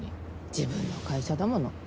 自分の会社だもの